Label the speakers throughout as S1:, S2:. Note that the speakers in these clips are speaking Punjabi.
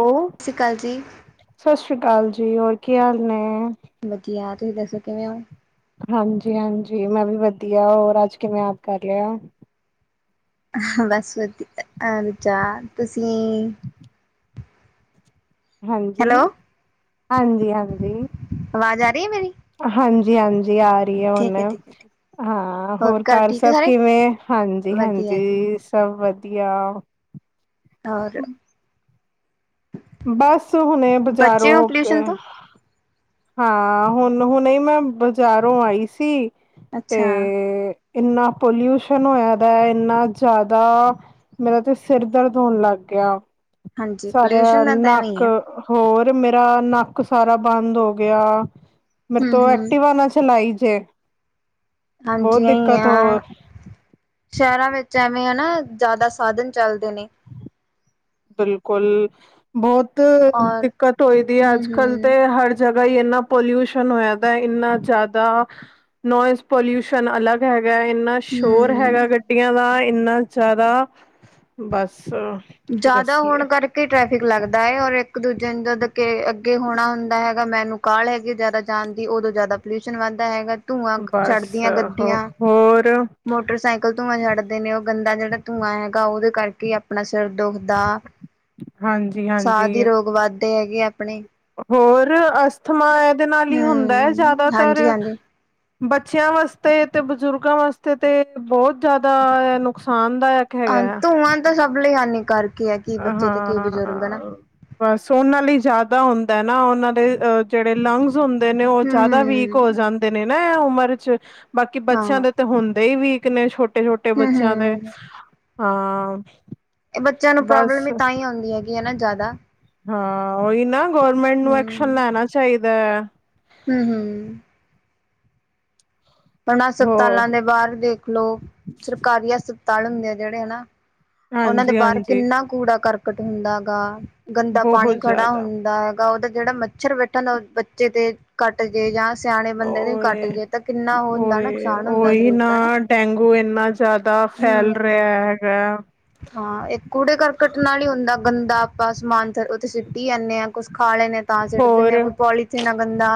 S1: ਔ
S2: ਸ਼ੀ ਅਕਾਲ ਜੀ।
S1: ਸਤਿ ਸ਼੍ਰੀ ਅਕਾਲ ਜੀ, ਹੋਰ ਕੀ ਹਾਲ ਨੇ।
S2: ਵਧੀਆ, ਤੁਸੀਂ ਦੱਸੋ ਕਿਵੇਂ ਓ?
S1: ਹਾਂਜੀ-ਹਾਂਜੀ, ਮੈਂ ਵੀ ਵਧੀਆ ਹੋਰ ਅੱਜ ਕਿਵੇਂ ਆਪ ਕਰ ਲਿਆ?
S2: ਬਸ ਵਧੀਆ, ਹ ਚਾ ਤੁਸੀਂ
S1: [inaudible] ਹਾਂਜੀ,
S2: ਹੈਲੋ
S1: ਹਾਂਜੀ-ਹਾਂਜੀ।
S2: ਆਵਾਜ਼ ਆ ਰਹੀ ਐ ਮੇਰੀ?
S1: ਹਾਂਜੀ-ਹਾਂਜੀ, ਆਹ ਰੀ ਐ ਹੁਣ।
S2: ਠੀਕ ਹੈ ਠੀਕ ਹੈ ਠੀਕ
S1: ਹਾਂ, ਹੋਰ ਘਰ ਸਭ ਕਿਵੇਂ?
S2: ਵਧੀਆ ਜੀ
S1: ਹਾਂਜੀ-ਹਾਂਜੀ। ਸਭ ਵਧੀਆ।
S2: ਔਰ
S1: ਬਸ ਹੁਨੇ ਬੁਜ਼ਾਰੋ
S2: ਬਚੇ ਹੋ
S1: ਹੋਕੇ
S2: ਪੋਲਿਊਸ਼ਨ ਤੋਂ?
S1: ਹਾਂ, ਹੁਣ-ਹੁਣੇ ਮੈਂ ਬਜ਼ਾਰੋਂ ਆਈ ਸੀ, ਤੇ
S2: ਅੱਛਾ
S1: ਇੰਨਾ ਪੋਲਿਊਸ਼ਨ ਹੋਇਆ ਦਾ ਏ। ਇੰਨਾ ਜਾਦਾ ਮੇਰਾ ਤੇ ਸਿਰ ਦਰਦ ਹੋਣ ਲੱਗ ਗਿਆ।
S2: ਹਾਂਜੀ
S1: ਸਾਰਾ
S2: ਪੋਲਿਊਸ਼ਨ ਦਾ ਤਾਂ ਐਵੇਂ
S1: ਨੱਕ
S2: ਹੀ ਆ
S1: ਹੋਰ ਮੇਰਾ ਨੱਕ ਸਾਰਾ ਬੰਦ ਹੋ ਗਿਆ। ਮੇਰੇ
S2: ਹੂੰ
S1: ਤੋਂ
S2: ਹੂੰ
S1: ਐਕਟੀਵਾ ਨਾ ਚਲਾਈ ਜੇ।
S2: ਹਾਂਜੀ,
S1: ਬਹੁਤ ਦਿੱਕਤ
S2: ਯੀਯਾ
S1: ਹੋ
S2: ਸ਼ਹਿਰਾਂ ਵਿੱਚ ਐਵੇਂ ਐ ਨਾ ਜਾਦਾ ਸਾਧਨ ਚੱਲਦੇ ਨੇ।
S1: ਬਿਲਕੁਲ, ਬਹੁਤ
S2: ਔਰ
S1: ਦਿੱਕਤ ਹੋਈ ਦੀ ਏ
S2: ਹੂੰ
S1: ਅੱਜ ਕਲ
S2: ਹੂੰ
S1: ਤੇ ਹਰ ਜਗ੍ਹਾ ਹੀ ਇੰਨਾ ਪੋਲਿਊਸ਼ਨ ਹੋਇਆ ਦਾਏ ਇੰਨਾ ਜਾਦਾ ਨੋਇਸ ਪੋਲਿਊਸ਼ਨ ਅਲੱਗ ਹੈਗੈ, ਇਨਾਂ ਸ਼ੋਰ
S2: ਹੂੰ
S1: ਹੈਗਾ ਗੱਡੀਆਂ ਦਾ ਇਨਾ ਜ਼ਿਆਦਾ, ਬਸ ਕੀ
S2: ਜ਼ਿਆਦਾ
S1: ਦੱਸੀਏ
S2: ਹੋਰਣ ਕਰਕੇ ਟ੍ਰੈਫਿਕ ਲੱਗਦਾ ਏ ਔਰ ਇੱਕ ਦੂਜੇ ਨੂੰ ਜਦ ਕੇ ਅੱਗੇ ਹੋਣਾ ਹੁੰਦਾ ਹੈਗਾ, ਮੈਨੂੰ ਕਾਲ ਹੈਗੀ ਜ਼ਿਆਦਾ ਜਾਣ ਦੀ, ਉਦੋਂ ਜ਼ਿਆਦਾ ਪੋਲਿਊਸ਼ਨ ਵੱਧਦਾ ਹੈਗੇ। ਧੂੰਆਂ
S1: ਬਸ
S2: ਚੜਦੀਆਂ
S1: ਹੋ
S2: ਗੱਡੀਆਂ,
S1: ਹੋਰ
S2: ਮੋਟਰਸਾਈਕਲ ਕਲ ਧੂੰਆਂ ਛੱਡਦੇ ਨੇਂ, ਉਹ ਗੰਦਾ ਜਿਹੜਾ ਧੂੰਆਂ ਹੈਗਾ, ਉਹਦੇ ਕਰਕੇ ਆਪਣਾ ਸਿਰ ਦੁੱਖ ਦਾ
S1: ਹਾਂਜੀ
S2: ਸਾਹ
S1: ਹਾਂਜੀ
S2: ਦੀ ਰੋਗ ਵੱਧਦੇ ਹੈਗੇ ਆਪਣੇ।
S1: ਹੋਰ ਅਸਥਮਾ ਇਹਦੇ ਨਾਲ ਹੀ ਹੁੰਦਾ ਐ
S2: ਹਮ
S1: ਜ਼ਿਆਦਾਤਰ
S2: ਹਾਂਜੀ ਹਾਂਜੀ
S1: ਬੱਚਿਆਂ ਵਾਸਤੇ ਤੇ ਬਜ਼ੁਰਗਾਂ ਵਾਸਤੇ ਤੇ ਬਹੁਤ ਜ਼ਿਆਦਾ ਐ ਨੁਕਸਾਨਦਾਇਕ।
S2: ਹ,
S1: ਹੈਗਾ ਹੈ
S2: ਧੂੰਆਂ ਤਾਂ ਸਭ ਲਈ ਹਾਨਿਕਰਕੇ ਹੀ ਏ, ਕੀ ਬੱਚੇ ਤੇ ਕੀ
S1: ਹਾਂ
S2: ਬਜ਼ੁਰਗ, ਹੈਨਾ?
S1: ਬਸ ਉਹਨਾਂ ਲਈ ਜਾਦਾ ਹੁੰਦਾ ਨਾ, ਉਹਨਾਂ ਦੇ ਜਿਹੜੇ ਲੰਗਸ ਹੁੰਦੇ ਨੇ ਉਹ
S2: ਹਮ
S1: ਜਾਦਾ ਵੀਕ ਹੋ
S2: ਹਮ
S1: ਜਾਂਦੇ ਨੇ ਨਾ ਇਹ ਉਮਰ ਚ ਬਾਕੀ
S2: ਹਾਂ
S1: ਬੱਚਿਆਂ
S2: ਹਮ
S1: ਦੇ ਤੇ ਹੁੰਦੇ ਹੀ ਵੀਕ ਨੇ ਛੋਟੇ-ਛੋਟੇ ਬੱਚਿਆਂ ਦੇ।
S2: ਹਮ
S1: ਹਾਂ
S2: ਇਹ ਬੱਚਿਆਂ ਨੂੰ
S1: ਬਸ
S2: ਪ੍ਰੋਬਲਮ ਵੀ ਤਾਂ ਹੀ ਹੁੰਦਿਆਂ ਹੈਗ
S1: ਹਾਂ, ਉਹੀ ਨਾ ਗੌਰਮੈਂਟ ਨੂੰ ਐਕਸ਼ਨ ਲੈਣਾ ਚਾਹੀਦੈ।
S2: ਹੁੰ-ਹੁੰ। ਹੁਣ
S1: ਹੋ
S2: ਹਸਪਤਾਲਾਂ ਦੇ ਬਾਹਰ ਦੇਖ ਲਓ, ਸਰਕਾਰੀ ਹਸਪਤਾਲ ਹੁੰਦੇ ਆ ਜਿਹੜੇ ਹਨਾ। [unintelligible] ਉਹਨਾਂ ਦੇ
S1: ਹਾਂਜੀ
S2: ਬਾਹਰ
S1: ਹਾਂਜੀ
S2: ਕਿੰਨਾ ਕੂੜਾ ਕਰਕਟ ਹੁੰਦਾ ਹੈ ਗਾ, ਗੰਦਾ
S1: ਬਹੁਤ
S2: ਪਾਣੀ ਖੜਾ
S1: ਜ਼ਿਆਦਾ
S2: ਹੁੰਦਾ। ਉਹਦਾ ਜਿਹੜਾ ਮੱਛਰ ਬੈਠਾ ਹੁੰਦਾ, ਉਹ ਬੱਚੇ ਤੇ, ਕੱਟ ਜੇ ਜਾਂ ਸਿਆਣੇ ਬੰਦੇ ਦੇ ਕੱਟ ਜੇ ਤਾਂ ਕਿੰਨਾ ਉਹ ਹੁੰਦਾ
S1: ਉਈ
S2: ਨੁਕਸਾਨ ਹੁੰਦਾ
S1: ਓਹੀ
S2: ਸਰੀਰ ਦਾ ਨਾ
S1: ਨਾਂ, ਡੇਗੂ ਇੰਨਾ ਜ਼ਿਆਦਾ ਫੈਲ ਰਿਆ।
S2: ਹੂੰ।
S1: ਹੈਗਾ।
S2: ਹਾਂ ਇਹ ਕੂੜੇ ਕਰਕੱਟ ਨਾਲ ਹੀ ਹੁੰਦਾ, ਗੰਦਾ ਆਪਾਂ ਸਮਾਨ ਉੱਥੇ ਸਿੱਟੀ ਜਾਂਣੇ ਆਂ। ਕੁਛ ਖਾਲੇ ਨੇ ਤਾਂ ਸਿੱਟ ਦੇਣੇ
S1: ਹੋਰ
S2: ਆਂ, ਕੋਈ ਪੋਲੀ ਥੀਨ ਗੰਦਾ,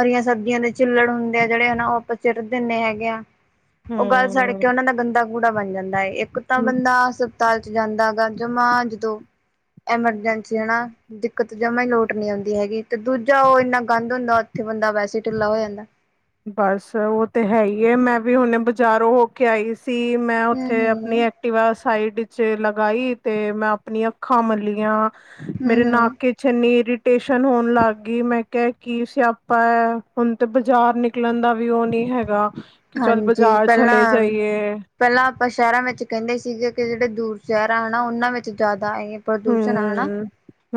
S2: ਹਰੀਆਂ ਸਬਜ਼ੀਆਂ ਦੇ ਛਿੱਲੜ ਹੁੰਦੇ ਆ ਜਿਹੜੇ ਨਾਂ ਉਹ ਆਪਾਂ ਸਿੱਟ ਦਿੰਦੇ ਹੈਗੇ ਆਂ। ਉਹ ਗੱਲ ਸੜ
S1: ਹਮ
S2: ਕੇ ਉਹਨਾਂ ਦਾ ਗੰਦਾ ਕੂੜਾ ਬਣ ਜਾਂਦਾ ਏ ਇੱਕ ਤਾਂ ਬੰਦਾ ਸੁ ਹਸਪਤਾਲ ਚ ਜਾਂਦਾ ਏਗਾ, ਜਮਾ ਦੋਂ ਐਮਰਜੈਂਸੀ ਹੈ ਨਾਂ ਦਿੱਕਤ ਜਮਾਂ ਹੀ ਲੋਟ ਨਹੀਂ ਆਉਂਦੀ ਹੈਗੀ ਤੇ, ਦੂਜਾ ਉਹ ਇੰਨਾ ਗੰਦ ਹੁੰਦਾ ਉੱਥੇ ਬੰਦਾ ਵੈਸੇ ਢਿੱਲਾ ਹੋ ਜਾਂਦਾ।
S1: ਬਸ ਉਹ ਤੇ ਹੈ ਈਏ, ਮੈਂ ਵੀ ਹੁਣ ਬਾਜ਼ਾਰੋਂ ਹੋ ਕੇ ਆਈ ਸ ਸੀ ਮੈਂ ਉੱਥੇ ਆਪਣੀ
S2: ਹੂੰ-ਹੂੰ,
S1: ਏਕਟੀਵਾ ਸਾਈਡ ਚ ਲਗਾਈ ਤੇ ਮੈਂ ਆਪਣੀਆਂ ਅੱਖਾਂ ਮਲੀਆਂ ਮੇਰੇ
S2: ਹੂੰ-ਹੂੰ
S1: ਨੱਕ ਚ ਇੰਨ੍ਹੀਂ ਇਰੀਟੇਸ਼ਨ ਹੋਣ ਲੱਗ ਗਈ, ਮੈਂ ਕਿਆ ਕੀ ਸਿਆਪਾ? ਹੁਣ ਤੇ ਬਾਜ਼ਾਰ ਨਿਕਲ ਨਿਕਲਣ ਦਾ ਵੀ ਉਹ ਨ੍ਹੀਂ ਹੈਗਾ, ਕਿ ਚੱਲ
S2: ਹਾਂਜੀ
S1: ਬਾਜ਼ਾਰ ਚਲੇ
S2: ਪਹਿਲਾਂ
S1: ਜਾਈਏ।
S2: ਪਹਿਲਾਂ ਆਪਾਂ ਸ਼ਹਿਰਾਂ ਵਿੱਚ ਕਹਿੰਦੇ ਸੀਗੇ ਕਿ ਜਿਹੜੇ ਦੂਰ ਸ਼ਹਿਰਾਂ ਹਨ, ਉਹਨਾਂ ਵਿੱਚ ਜ਼ਿਆਦਾ ਏ ਪ੍ਰਦੂਸ਼ਣ ਐ ਹੈਨਾਂ?
S1: ਹਮ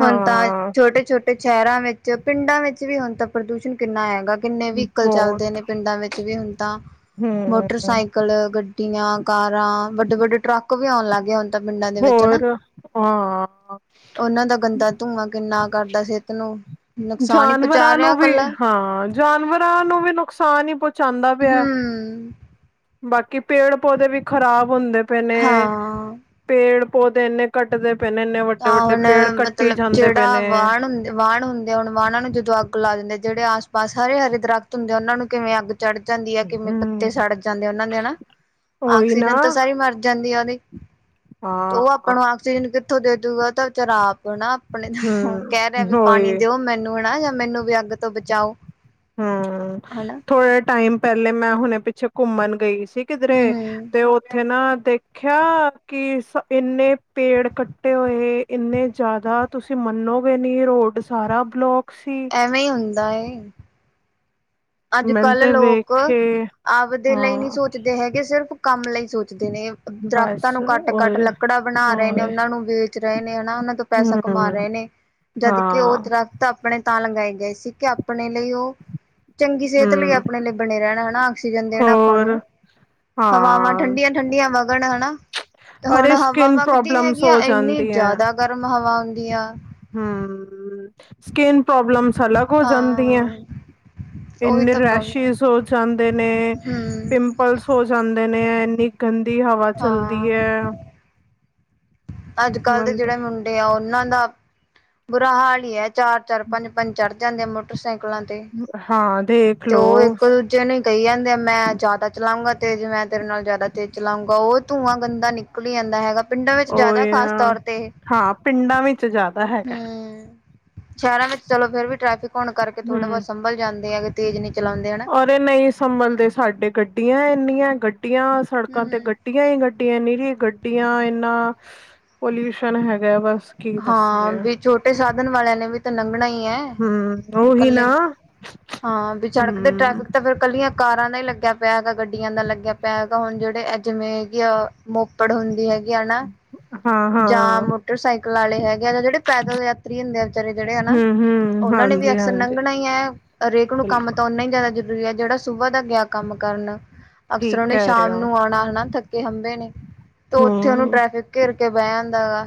S2: ਹੁਣ ਤਾਂ ਛੋਟੇ-ਛੋਟੇ ਸ਼ਹਿਰਾਂ ਵਿੱਚ, ਪਿੰਡਾਂ ਵਿੱਚ ਵੀ ਹੁਣ ਤਾਂ ਪ੍ਰਦੂਸ਼ਣ ਕਿੰਨਾ ਹੈਗਾ। ਕਿੰਨੇ ਵੀਕਲ
S1: ਬਹੁਤ
S2: ਚੱਲਦੇ ਨੇਂ ਪਿੰਡਾਂ ਵਿੱਚ ਵੀ ਹੁਣ ਤਾਂ
S1: ਹਮ
S2: ਮੋਟਰਸਾਈਕਿਲ ਗੱਡੀਆਂ, ਕਾਰਾਂ, ਵੱਡੇ-ਵੱਡੇ ਟਰੱਕ ਵੀ ਆਉਣ ਲੱਗ ਗਏ ਹੁਨ। ਪਿੰਡਾਂ ਦੇ ਵਿੱਚ ਹਨਾਂ?
S1: ਹੋਰ ਹਾਂ
S2: ਉਹਨਾਂ ਦਾ ਗੰਦਾ ਧੂੰਆਂ ਕਿੰਨਾ ਕਰਦਾ, ਸਿਹਤ ਨੂੰ ਨੁਕਸਾਨ ਹੀ ਪਹੁੰਚਾ
S1: ਜਾਨਵਰਾਂ
S2: ਰਿਹਾ
S1: ਨੂੰ ਵੀ,
S2: ਕੱਲਾ
S1: ਹਾਂ ਜਾਨਵਰਾਂ ਨੂੰ ਵੀ ਨੁਕਸਾਨ ਹੀ ਪੁੱਛ
S2: ਹਂ।
S1: ਬਾਕੀ ਪੇੜ ਪੌਦੇ ਵੀ ਖ਼ਰਾਬ ਹੁੰਦੇ ਪਏ ਨੇਂ।
S2: ਹਾਂ।
S1: ਪੇੜ ਪੌਦੇ ਇੰਨੇ ਕੱਟਦੇ ਪਏ ਨੇਂ।
S2: ਤਾਂ ਹੁਣ ਮਤਲਬ ਜਿਹੜਾ
S1: ਨੇ
S2: ਵਾਹਣ, ਹੁੰਦ ਵਾਹਣ ਹੁੰਦ ਹੁਣ ਵਾਹਣਾਂ ਨੂੰ ਜਦੋਂ ਅੱਗ ਲਾ ਦਿੰਦੇ, ਜਿਹੜੇ ਆਸ-ਪਾਸ ਹਰੇ ਹਰੇ ਦਰੱਖ਼ਤ ਹੁੰਦੇ ਉਹਨਾਂ ਨੂੰ ਕਿਵੇਂ ਅੱਗ ਚੜ੍ਹ ਜਾਂਦੀ ਆ ਕਿਵੇਂ
S1: ਹਮ
S2: ਪੱਤੇ ਸੜ ਜਾਂਦੇ ਉਹਨਾਂ ਦੇ ਹਨਾਂ,
S1: ਉਹੀ ਨਾ
S2: ਆਕਸੀਜਨ ਤਾਂ ਸਾਰੀ ਮਰ ਜਾਂਦੀ ਆ ਉਹਦੀ, ਤੇ ਉਹ
S1: ਹਾਂ
S2: ਆਪਾਂ ਨੂੰ ਆਕਸੀਜਨ ਕਿੱਥੋਂ ਦੇ ਦੂਗਾ ਤਾਂ ਵਿਚਾਰਾ ਆਪ ਨਾਂ ਆਪਣੇ [unintelligible] ਕਹਿ ਰਿਹਾ
S1: ਹਮ
S2: ਵੀ
S1: ਉਹੀ
S2: ਪਾਣੀ ਦਿਓ, ਮੈਨੂੰ ਹੈਨਾਂ ਜਾਂ ਮੈਨੂੰ ਵੀ ਅੱਗ ਤੋਂ ਬਚਾਓ।
S1: ਹਂ,
S2: ਹਨਾ
S1: ਥੋੜੇ ਟਾਈਮ ਪਹਿਲੇ ਮੈਂ ਹੁਣੇ ਪਿੱਛੇ ਘੁੰਮਣ ਗਈ ਸੀ
S2: ਹੂੰ
S1: ਕਿਧਰੇ
S2: ਹੂੰ
S1: ਦੇ ਉਹ ਉਥੇ ਨਾਂ ਦੇਖਿਆ ਕਿ ਇੰਨੇ, ਪੇੜ ਕੱਟੇ ਹੋਏ ਇੰਨੇਂ ਜ਼ਿਆਦਾ। ਤੁਸੀਂ ਮੰਨੋਗੇ ਨੀਂ ਰੋਡ ਸਾਰਾ ਬਲੋਕ। ਸੀ
S2: ਐਵੇਂ ਹੀ ਹੁੰਦਾ ਏ। ਅੱਜ
S1: ਮੈਨੂੰ
S2: ਕੱਲ
S1: ਤੇ
S2: ਲੋਕ
S1: ਵੇਖੇ
S2: ਆਪਦੇ ਲਈ ਨਹੀਂ
S1: ਹਾਂ
S2: ਸੋਚਦੇ ਹੈਗੇ, ਸਿਰਫ਼ ਕੰਮ ਲਈ ਸੋਚਦੇ ਨੇਂ ਦਰੱਖਤਾਂ
S1: ਬਸ
S2: ਨੂੰ ਕੱਟ-ਕੱਟ
S1: ਓਏ
S2: ਲ ਕੱਕੜਾ ਬਣਾ ਰਹੇ ਨੇ
S1: ਓਏ
S2: ਉਹਨਾਂ ਨੂੰ ਵੇਚ ਰਹੇ ਨੇ ਹਨਾ ਉਹਨਾਂ ਤੋਂ
S1: ਹੂੰ
S2: ਪੈਸਾ ਕਮਾ ਰਹੇ ਨੇ। ਜਦ ਕਿਿ ਉਹ
S1: ਹਾਂ
S2: ਦਰਖਤ ਆਪਣੇ ਤਾਂ ਲਗਾਏ ਗਏ ਸੀ ਕਿ ਆਪਣੇ ਲਈ ਉਹ ਚੰਗੀ ਸਿਹਤ ਲਈ
S1: ਹੂੰ
S2: ਆਪਣੇ ਲਈ ਬਣੇ ਰਹਿਣ, ਹਨਾਂ ਆਕਸੀਜਨ ਦੇਣ ਆਪਾਂ ਨੂੰ
S1: ਹੋਰ
S2: ਹਵਾਵਾਂ
S1: ਹਾਂ
S2: ਠੰਡੀਆਂ ਠੰਡੀਆਂ ਵਗਣ ਹਨਾਂ, ਤੇ ਹੁਣ
S1: ਅਰੇ
S2: ਹਵਾ
S1: ਸਕਿਨ
S2: ਵਗਦੀ
S1: ਪ੍ਰੋਬਲਮਸ
S2: ਹੈਗੀ ਆ
S1: ਹੋ
S2: ਇੰਨੀ
S1: ਜਾਂਦੀ
S2: ਜ਼ਿਆਦਾ ਗਰਮ ਹਵਾ ਹੁੰਂਦੀ ਆ
S1: ਹਂ, ਸਕਿਨ ਪ੍ਰੋਬਲਮਸ ਅਲੱਗ ਹੋ ਜਾਂਦੀਆਂ।
S2: ਹਾਂ ਉਹੀ
S1: ਇੰਨੇ
S2: ਤਾਂ ਪ੍ਰੋਬਲਮ
S1: ਰੈਸ਼ਜ਼ ਹੋ ਜਾਂਦੇ ਨੇਂ
S2: ਹੂੰ
S1: ਪਿੰਪਲਸ ਹੋ ਜਾਂਦੇ ਨੇਂ ਇੰਨੀ ਗੰਦੀ ਹਵਾ ਚੱਲਦੀ
S2: ਹਾਂ
S1: ਐ।
S2: ਅੱਜ ਕੱਲ ਦੇ ਜਿਹੜੇ ਮੁੰਡੇ ਆ, ਉਹਨਾਂ ਦਾ ਬੁਰਾ ਹਾਲ ਹੀ ਐ ਚਾਰ-ਚਾਰ ਪੰਜ ਪੰਜ ਚੜ ਜਾਂਦੇ ਆ ਮੋਟਰਸਾਈਕਲਾਂ ਤੇ,
S1: ਹਾਂ ਦੇਖ
S2: ਤੇ ਉਹ
S1: ਲਓ
S2: ਇੱਕ ਬੱਚੇ ਨੂੰ ਕਹੀ ਜਾਂਦੇ ਆ ਮੈਂ ਜ਼ਿਆਦਾ ਚਲਾਗਾ ਤੇਜ਼ ਮੈਂ ਤੇਰੇ ਨਾਲ ਜ਼ਿਆਦਾ ਤੇਜ਼ ਚਲਾਉਂਗਾ ਉਹ ਧੂੰਆਂ ਗੰਦਾ ਨਿਕ ਨਿਕਲ ਹੀ ਜਾਂਦਾ ਹੈਗਾ ਪਿੰਡਾਂ ਵਿੱਚ ਜ਼ਿਆਦਾ
S1: ਉਹੀ
S2: ਖਾਸ
S1: ਨਾ
S2: ਤੌਰ ਤੇ
S1: ਹਾਂ ਪਿੰਡਾਂ ਵਿੱਚ ਜ਼ਿਆਦਾ ਹੈਗਾ
S2: ਹਮ ਸ਼ਹਿਰਾਂ ਵਿੱਚ ਚਲੋ ਫਿਰ ਵੀ ਟ੍ਰੈਫਿਕ ਹੋਣ ਕਰਕੇ ਥੋੜਾ ਬਹੁਤ
S1: ਹੂੰ
S2: ਸੰਭਲ ਜਾਂਦੇ ਆ ਤੇਜ਼ ਨਹੀਂ ਚਲਾਉਂਦੇ ਹਨਾ
S1: ਅਰੇ ਨਹੀਂ ਸੰਭਲ ਦੇ ਸਾਡੇ ਗੱਡੀਆਂ ਇੰਨੀਆਂ ਗੱਡੀਆਂ ਸੜਕਾਂ ਤੇ
S2: ਹੂੰ-ਹੂੰ।
S1: ਗੱਡੀਆਂ ਹੀ ਗੱ ਗੱਡੀਆਂ ਨ ਰਹੀ ਗੱਡੀਆਂ ਇੰਨਾ ਪੋਲਿਊਸ਼ਨ ਹੈਗਾ ਬਸ ਕੀ
S2: ਹਾਂ
S1: ਦੱਸੀਏ
S2: ਵੀ ਛੋਟੇ ਸਾਧਨ ਵਾਲਿਆਂ ਨੇ ਵੀ ਤਾਂ ਲੰਘਣਾ ਹੀ ਹੈ
S1: ਹੂੰ ਉਹੀ
S2: ਇਕੱਲੇ
S1: ਨਾ
S2: ਹਾਂ ਵੀ ਸੜਕ ਤੇ
S1: ਹੂੰ
S2: ਟ੍ਰੈਫਿਕ ਤਾਂ ਫਿਰ ਇਕੱਲੀਆਂ ਕਾਰਾਂ ਦਾ ਹੀ ਲੱਗਿਆ ਪਿਆ ਹੈਗਾ ਗੱਡੀਆਂ ਦਾ ਲੱਗਿਆ ਪਿਆ ਹੈਗਾ ਹੁਣ ਜਿਹੜੇ ਇਹ ਜਿਵੇਂਗੀ ਆ ਮੋਪੜ ਹੁੰਦੀ ਹੈਗੀ ਨਾ
S1: ਹਾਂ
S2: ਜਾਂ
S1: ਹਾਂ
S2: ਮੋਟਰਸਾਈਕਲ ਵਾਲੇ ਹੈਗੇ ਆ ਜਾਂ ਜਿਹੜੇ ਪੈਦਲ ਯਾਤਰੀ ਹੁੰਦੇ ਆ ਵਿਚਾਰੇ ਜਿਹੜੇ ਆ ਨਾ
S1: ਹੂੰ ਹੂੰ
S2: ਉਹਨਾਂ ਨੇ ਵੀ
S1: ਹਾਂਜੀ
S2: ਅਕਸਰ
S1: ਹਾਂਜੀ
S2: ਲੰਘਣਾ ਹੀ ਰਰੇਕ ਨੂੰ ਕੰਮ
S1: ਬਿਲਕੁਲ
S2: ਤਾਂ ਨਾ ਹੀ ਜ਼ਿਆਦਾ ਜ਼ਰੂਰੀ ਹੈ ਜਿਹੜਾ ਸੁਬਹ ਦਾ ਗਿਆ ਕੰਮ ਕਰਨ ਅਫਸਰ
S1: ਠੀਕ
S2: ਉਹ ਨੇ
S1: ਕਹਿ ਰਹੇ
S2: ਸ਼ਾਮ
S1: ਹੋ
S2: ਨੂੰ ਆਉਣਾ ਹਨਾ ਥੱਕੇ ਹੰਭੇ ਨੇ ਤੇ ਉੱਥੇ ਉਹਨੂੰ
S1: ਹਮ
S2: ਟ੍ਰੈਫਿਕ ਘਿਰ ਕੇ ਬਹਿ ਜਾਂਦਾ ਗਾ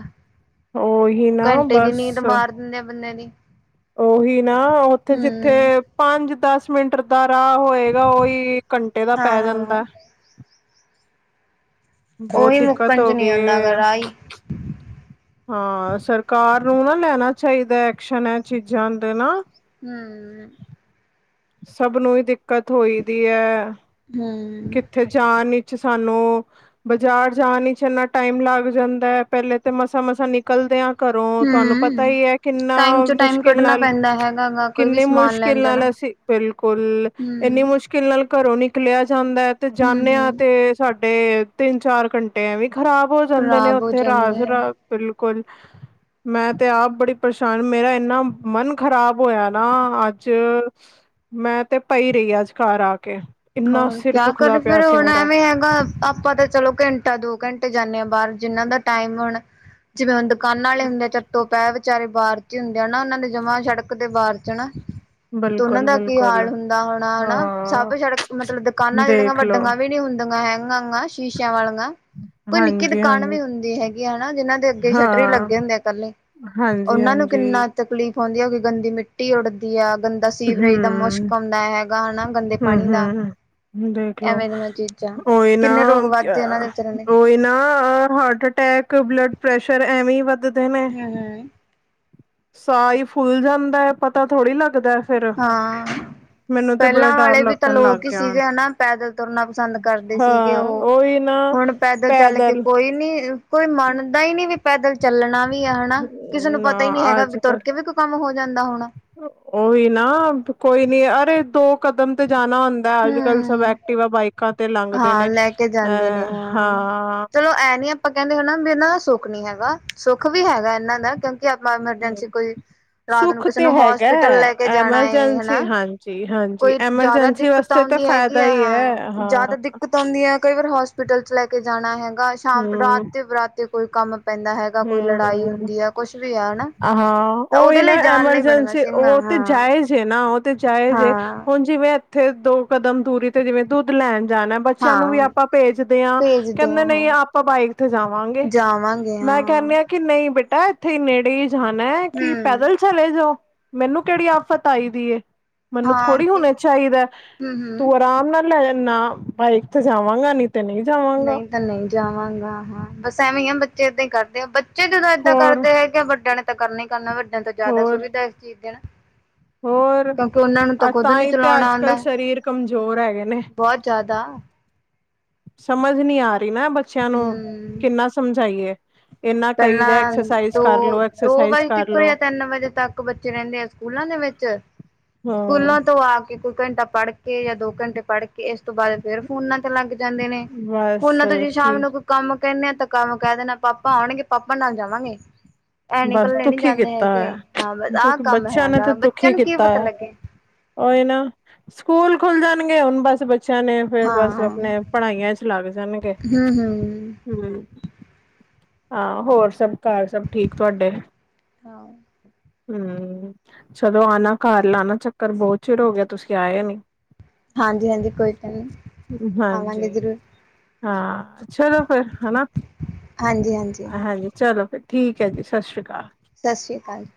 S1: ਉਹੀ ਨਾ ਬਸ
S2: ਬੰਨੇ ਬੰਨਿਆਂ ਦੀ
S1: ਉਹੀ ਨਾ, ਉੱਥੇ
S2: ਹੂੰ,
S1: ਜਿੱਥੇ ਪੰਜ ਦਸ। ਮਿੰਟ ਦਾ ਰਾਹ ਹੋਏਗਾ, ਉਹੀ ਘੰਟੇ ਦਾ ਪੈ
S2: ਹਾਂ-ਹਾਂ,
S1: ਜਾਂਦਾ। ਬਹੁਤ
S2: ਉਓਹੀ
S1: ਦਿੱਕਤ
S2: ਮੁੱਕਣ ਚ
S1: ਹੋ
S2: ਨਹੀਂੀ
S1: ਗਈ
S2: ਆਉਂਦਾਗਾ
S1: ਹੈ
S2: ਰਾਹੀ।
S1: ਹਾਂ ਸਰਕਾਰ ਨੂੰ ਨਾ ਲੈਣਾ ਚਾਹੀਦਾ ਐਕਸ਼ਨ, ਇਹ ਚੀਜ਼ਾਂ ਦੇ ਨਾ
S2: ਹਮ।
S1: ਸਭ ਨੂੰ ਹੀ ਦਿੱਕਤ, ਹੋਈ ਦੀ ਹੈ।
S2: ਹਮ।
S1: ਫੇਰ ਜਾਣ ਵਿੱਚ ਸਾਨੂੰ ਬਾਜ਼ਾਰ ਜਾਣ ਚ ਇੰਨਾ ਟਾਈਮ ਲੱਗ ਜਾਂਦਾ ਹੈ ਪਹਿਲੇ ਤੇ ਮਸਾਂ ਮਸਾਂ ਨ ਨਿਕਲਦਿਆਂ ਘਰੋਂ ਤੁਹਾਨੂੰ ਪਤਾ
S2: ਹੂੰ।
S1: ਹੀ ਹੈ ਕਿੰਨਾ
S2: ਟਾਈਮ ਚ ਟਾਈਮ
S1: ਮੁਸ਼ਕਿਲ
S2: ਕੱਢਣਾ
S1: ਨਾਲ
S2: ਪੈਂਦਾ ਹੈਗਾ ਗਾ ਕੋਈ ਵੀ
S1: ਕਿੰਨੀ
S2: ਸਮਾਨ ਲੈਣ
S1: ਮੁਸ਼ਕਿਲ
S2: ਜਾਣਾ।
S1: ਨਾਲ ਅਸੀਂ ਬਿਲਕੁਲ ਇੰਨੀ
S2: ਹੂੰ,
S1: ਮੁਸ਼ਕਿਲ ਕਿਲ ਨਾਲ ਘਰੋਂ ਨਿਕਲਿਆ ਜਾਂਦਾ ਹੈ ਤੇ ਜਾਂਨਿਆ
S2: ਹੂੰ-ਹੂੰ,
S1: ਤੇ ਸਾਡੇ ਤਿੰਨ ਚਾਰ ਘੰਟੇ ਐ ਵੀ ਖ਼ਰਾਬ ਹੋ ਜਾਂਦੇ ਨੇ
S2: ਖ਼ਰਾਬ ਹੋ
S1: ਉੱਥੇ ਰਾਜ
S2: ਜਾਂਦੇ ਆ।
S1: ਰਾ ਬਿਲਕੁਲ ਮੈਂ ਤੇ ਆਪ ਬੜੀ ਪਰੇਸ਼ਾਨ ਮੇਰਾ ਇਨਾ ਮਨ ਖ਼ਰਾਬ ਹੋਇਆ ਨਾ ਅੱਜ ਮੈਂ ਤੇ ਪਈ ਰਹੀ ਆ ਅੱਜ ਘਰ ਆ ਕੇ ਇੰਨਾ
S2: ਹੋਰ
S1: ਸਿਰ
S2: ਕਿਆ
S1: ਦੁਖਦਾ
S2: ਕਰ
S1: ਪਿਆ
S2: ਫਿਰ
S1: ਸੀ
S2: ਹੁਣ
S1: ਮੇਰਾ
S2: ਐਵੇਂ ਹੈਗਾ ਆਪਾਂ ਤਾਂ ਚਲੋ ਘੰਟਾ ਦੋ ਘੰਟੇ ਜਾਂਦੇ ਹਾਂ ਬਾਹਰ ਜਿੰਹਨਾਂ ਦਾ ਟਾਈਮ ਹੁਣ ਜਿਵੇਂ ਹੁਣ ਦੁਕਾਨ ਵਾਲੇ ਹੁੰਦੇ ਚੱਤ ਤੋਂ ਪੈ ਵਿੱਚ ਬ ਵਿਚਾਰੇ ਬਾਹਰ ਚ ਹੀ ਹੁੰਦੇ ਆ ਨਾ ਉਹਨਾਂ ਦੇ ਜਮਾ ਸੜਕ ਤੇ ਬਾਹਰ ਚ ਨਾ ਤੇ ਉਹਨਾਂ
S1: ਬਿਲਕੁਲ
S2: ਦਾ ਕੀ
S1: ਬਿਲਕੁਲ
S2: ਹਾਲ ਹੁੰਦਾ ਹੋਣਾ ਹਨਾ
S1: ਹਾਂ
S2: ਸਭ ਸੜਕ ਮਤਲਬ ਦੁਕਾਨਾਂ ਜਿਹੜੀਆਂ
S1: ਦੇਖਲੋ
S2: ਵੱਡੀਆਂ ਵੀ ਨੀ ਹੁੰਦੀਆਂ ਹੈਗ ਸ਼ੀਸ਼ਿਆਂ ਵਾਲੀਆਂ ਕੋਈ ਨਿੱਕੀ
S1: ਹਾਂਜੀ
S2: ਦੁਕਾਨ
S1: ਹਾਂਜੀ
S2: ਵੀ ਹੁੰਦੀ ਹੈਗੀ ਹੈਾ ਜਿਨਾਂ ਦੇ ਅੱਗੇ ਸ਼ਟਰੀ
S1: ਹਾਂ
S2: ਲੱਗੇ ਹੁੰਦੇ ਆ ਇਕੱਲੇ
S1: ਹਾਂਜੀ,
S2: ਉਹਨਾਂ ਨੂੰ
S1: ਹਾਂਜੀ।
S2: ਕਿੰਨਾ ਤਕਲੀਫ਼ ਹੂੰਦੀ ਐ, ਕਿ ਗੰਦੀ ਮਿੱਟੀ ਉੱਡਦੀ ਆ ਗੰਦੀ, ਦਾ ਸੀਵਰੇਜ ਦਾ
S1: ਹਮ
S2: ਮੁਸ਼ਕ ਆਦਾ ਹੈਗਾ ਹਨਾ, ਗੰਦੇ ਪਾਣੀ ਦਾ,
S1: ਹੂੰ-ਹੂੰ ਦੇਖਲੋ
S2: ਐਵੇਂ ਦੀਆਂ ਚੀਜ਼ਾਂ
S1: ਓ ਇਹ ਨਾ
S2: ਕਿੰਨੇ ਰੋਗ ਵੱਧਦੇ ਉਹਨਾਂ ਦੇ ਵਿਚਾਰਿਆਂ ਦੇ
S1: ਓ ਨਾ ਹਾਰਟ ਅਟੈਕ ਬਲੱਡ ਪ੍ਰੈਸ਼ਰ ਐਵੇਂ ਵੱਧਦੇ ਨੇ
S2: ਹਮ ਹਮ
S1: ਸਾਹ ਹੀ ਫੁੱਲ ਜਾਂਦਾ ਹੈ ਪਤਾ ਥੋੜ੍ਹੀ ਲੱਗਦਾ ਫਿਰ
S2: ਹਾਂ
S1: ਮੈਨੂੰ ਤੇ ਬੜਾ
S2: ਪਹਿਲਾਂ
S1: ਡਰ
S2: ਵਾਲੇ ਵੀ ਤਾਂ
S1: ਲੱਗਣ ਲੱਗ
S2: ਲੋਕ ਹੀ
S1: ਗਿਆ
S2: ਸੀਗੇ ਹਨਾ ਪੈਦਲ ਤੁਰਨਾ ਪਸੰਦ ਕਰਦੇ
S1: ਹਾਂ
S2: ਸੀਗੇ ਉਹ
S1: ਉਹੀ ਨਾ
S2: ਹੁਣ ਪੈਦਲ ਚੱਲ ਕੇ ਕੋਈ ਨੀ ਕੋਈ ਮੰਨਦਾ ਹੀ ਨਹੀਂ ਵੀ ਪੈਦਲ ਚੱਲਣਾ ਵੀ ਆ ਹਨਾ ਕਿਸੇ ਨੂੰ
S1: ਨਾ
S2: ਪਤਾ ਹੀ ਨੀ ਹੈਗਾ
S1: ਅੱਜ
S2: ਵੀ ਤੁਰ
S1: ਕੱਲ
S2: ਕੇ ਵੀ ਕੋਈ ਕੰਮ ਹੋ ਜਾਂਦਾ ਹੋਣਾ
S1: ਉਹੀ ਨਾ ਕੋਈ ਨੀ ਅਰੇ ਦੋ ਕਦਮ ਤੇ ਜਾਣਾ ਹੁੰ ਅੱਜ ਕੱਲ੍ਹ ਸਬ
S2: ਹਮ
S1: ਐਕਟੀਵਾ ਬਾਈਕਾਂ ਤੇ ਲੰਘਦੇ
S2: ਹਾਂ
S1: ਨੇ
S2: ਲੈ ਕੇ ਜਾਂਦੇ ਨੇ
S1: ਅਹ ਹਾਂ
S2: ਚਲੋ ਐ ਨੀ ਆਪਾਂ ਕਹਿੰਦੇ ਹਨ ਨਾ ਬਿਨਾਂ ਸੁੱਖ ਨੀ ਹੈਗਾ, ਸੁੱਖ ਵੀ ਹੈਗਾ ਇਹਨਾਂ ਦਾ ਕਿਉਂਕਿ ਆਪਾਂ ਐਮਰਜੈਂਸੀ ਕੋਈ। ਰਾਤ ਨੂੰ
S1: ਸੁੱਖ
S2: ਕਿਸੇ
S1: ਤੇ
S2: ਨੂੰ
S1: ਹੈਗਾ
S2: ਹੋਸਪਿਟਲ ਲੈ ਕੇ ਜਾਣਾ ਹਨਾ,
S1: ਐਮਰਜੈਂਸੀ ਹਾਂਜੀ ਹਾਂਜੀ
S2: ਕੋਈ ਜ਼ਿਆਦਾ
S1: ਐਮਰਜੈਂਸੀ
S2: ਦਿੱਕਤ
S1: ਵਾਸਤੇ ਤਾਂ
S2: ਆਉਂਦੀ ਹੈਗੀ,
S1: ਫਾਇਦਾ
S2: ਆ
S1: ਹੀ ਹੈ
S2: ਹਾਂ ਜ਼ਿਆਦਾ ਦਿੱਕਤ ਆਉਂਦੀ। ਕਈ ਵਾਰ ਹੋਸਪਿਟਲ ਚ ਲੈ ਕੇ ਜਾਣਾ ਹੈਗਾ, ਸ਼ਾਮ ਰਾਤ
S1: ਹਮ
S2: ਤੇ ਬਰਾਤੇ ਕੋਈ ਕੰਮ ਪੈਂਦਾ ਹੈਗਾ, ਕੋਈ ਲੜਾਈ
S1: ਹਮ
S2: ਹੁੰਦੀ ਆ ਕੁਛ ਵੀ ਆ ਹਨਾ,
S1: ਹਾਂ
S2: ਤਾਂ ਉਹਦੇ
S1: ਉਹੀ ਨਾ
S2: ਲਈ ਜਾਣ ਲਈ ਬਣ ਗਿਆ
S1: ਐਮਰਜੈਂਸੀ
S2: ਸੀ ਗਿਆ।
S1: ਉਹ ਤੇ ਜਾਏ ਜੇ ਨਾ ਉਹ ਤੇ ਜਾਏ ਜੇ ਹੁਣ ਜਿਵੇਂ ਇੱਥੇ ਦੋ ਕਦਮ ਦੂਰੀ ਤੇ ਜਿਵੇਂ ਦੁੱਧ ਲੈਣ ਜਾਣਾ। ਬੱਚਿਆਂ ਨੂੰ ਵੀ
S2: ਹਾਂ
S1: ਆਪਾਂ ਭੇਜਦੇ ਹਾਂ,
S2: ਭੇਜਦੇ
S1: ਕਹਿੰਦੇ
S2: ਆ ਹਾਂ
S1: ਨਹੀਂ ਆਪਾਂ ਬਾਈਕ ਤੇ ਜਾਵਾਂਗੇ
S2: ਜਾਵਾਂਗੇ
S1: ਮੈਂ
S2: ਹਾਂ
S1: ਕਹਿੰਨੀ ਆ। ਕਿ ਨਹੀਂ ਬੇਟਾ ਇੱਥੇ ਨੇੜੇ ਜਾਣਾ ਕਿ
S2: ਹਮ
S1: ਪੈਦਲ, ਚਲੇ ਜਾਓ, ਮੈਨੂੰ ਕਿਹੜੀ ਆਫ਼ਤ ਆਈ ਦੀ ਐ। ਮੈਨੂੰ
S2: ਹਾਂ ਹਮ
S1: ਥੋੜ੍ਹੀ ਹੋਣਾ ਚਾਹੀਦਾ,
S2: ਹਮ
S1: ਤੂੰ ਆਰਾਮ ਨਾਲ ਲੈ ਨਾ ਬਾਈਕ ਤੇ ਜਾਵਾਂਗਾ, ਨੀ ਤੇ ਨਹੀਂ, ਜਾਵਾਂਗਾ
S2: ਨਹੀਂ ਤਾਂ ਨਹੀਂ ਜਾਵਾਂਗਾ, ਹਾਂ ਬਸ ਐਵੇਂ ਆ ਬੱਚੇ ਏਦਾਂ ਹੀ ਕਰਦੇ ਆ। ਜਦ ਏਦਾਂ
S1: ਹੋਰ
S2: ਕਰਦੇ ਹੈਗੇ, ਵੱਡਿਆਂ ਨੇ ਤਾਂ ਕਰਨਾ ਹੀ ਕਰਨਾ ਵੱਡਿਆਂ ਤੋਂ ਜ਼ਿਆਦਾ
S1: ਹੋਰ
S2: ਸੁਵਿਧਾ ਇਸ ਚੀਜ਼ ਦੇ ਨਾ।
S1: ਹੋਰ
S2: ਕਿਉਂਕਿ ਉਹਨਾਂ ਨੂੰ ਤਾਂ ਖੁਦ ਨੀ
S1: ਤਾਂਹੀ ਤੇ
S2: ਚਲਾਉਣਾ ਆਉਂਦਾ
S1: ਅੱਜ-ਕੱਲ੍ਹ ਸਰੀਰ ਕਮਜ਼ੋਰ ਹੈਗੇ ਨੇ।
S2: ਬਹੁਤ ਜ਼ਿਆਦਾ,
S1: ਸਮਝ ਨਹੀਂ ਆ ਰਹੀ ਨਾ ਬੱਚਿਆਂ ਨੂੰ
S2: ਹਮ
S1: ਕਿੰਨਾ ਸਮਝਾਈਏ। ਕਈ ਦਾ
S2: ਪਹਿਲਾਂ
S1: ਐਕਸਰਸਾਈਜ਼,
S2: ਦੋ
S1: ਕਰ ਲੋ
S2: ਦੋ
S1: ਐਕਸਰਸਾਈਜ਼
S2: ਵਜੇ
S1: ਕਰ
S2: ਤੱਕ
S1: ਲੋ
S2: ਜਾਂ, ਤਿੰਨ ਵਜੇ ਤੱਕ ਬੱਚੇ ਰਹਿੰਦੇ ਆ ਸਕੂਲਾਂ ਦੇ ਵਿੱਚ
S1: ਹਮ
S2: ਸਕੂਲਾਂ ਤੋਂ ਆ ਕੇ ਇੱਕ ਘੰਟਾ ਪੜ੍ਹ ਕੇ, ਕੇ ਜਾਂ ਦੋ ਘੰਟੇ ਪੜ੍ਹ ਕੇ ਇਸ ਤੋਂ ਬਾਅਦ ਫੇਰ ਫੋਨਾਂ ਤੇ ਲੱਗ ਜਾਂਦੇ ਨੇ,
S1: ਬਸ
S2: ਫੋਨਾ ਤੋਂ ਜੇ ਸ਼ਾਮ
S1: ਕੀ
S2: ਨੂੰ ਕੰਮ ਕਹਿੰਨੇ ਆ, ਤਾਂ ਕੰਮ ਕਹਿ ਦੇਣਾ ਪਾਪਾ ਆਣਗੇ ਪਾਪਾ ਨਾਲ ਜਾਵਾਂਗੇ। ਐ ਨੀ
S1: ਬਸ
S2: ਕੱਲੇ ਨੀ
S1: ਦੁਖੀ
S2: ਜਾਂਦੇ
S1: ਕੀਤਾ ਹੋਇਆ
S2: ਹੈਗੇ, ਹਾਂ ਬਸ ਆਹ
S1: ਦੁੱਖ
S2: ਕੰਮ
S1: ਬੱਚਿਆਂ
S2: ਹੈਗਾ, ਬੱਚਿਆਂ ਨੂੰ ਕੀ ਪਤਾ ਲੱਗੇ।
S1: ਓਹੀ ਨਾ ਸਕੂਲ ਖੁੱਲ ਜਾਣਗੇ, ਹੁਣ ਬਸ ਬੱਚਿਆਂ ਨੇ, ਫੇਰ
S2: ਹਾਂ
S1: ਬਸ
S2: ਹਮ
S1: ਆਪਣੇ ਪੜ੍ਹਾਈਆਂ ਚ ਲੱਗ ਜਾਣਗੇ
S2: ਹਮ
S1: ਹੂੰ, ਹਾਂ ਹੋਰ ਸਭ ਘਰ ਸਭ ਠੀਕ ਤੁਹਾਡੇ?
S2: ਹਾਂ।
S1: ਹੂੰ ਚਦੋ ਆਣਾ ਘਰ ਲਾਣਾ ਚੱਕਰ ਬਹੁਤ ਚਿਰ ਹੋ ਗਿਆ, ਤੁਸੀਂ ਆਏ ਨੀ।
S2: ਹਾਂਜੀ, ਹਾਂਜੀ ਕੋਈ ਗੱਲ ਨਹੀਂ
S1: ਹਾਂਜੀ
S2: ਆਵਾਂਗੇ ਜ਼ਰੂਰ।
S1: ਹਾਂ ਚਲੋ ਫਿਰ ਹਨਾ। ਹਾਂਜੀ ਚਲੋ, ਫਿਰ ਠੀਕ ਹੈ ਜੀ ਸਤਿ ਸ਼੍ਰੀ ਅਕਾਲ।
S2: ਸਤਿ ਸ਼੍ਰੀ ਅਕਾਲ ਜੀ।